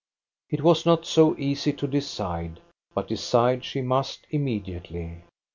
It was not so easy to decide, but decide she must immediately.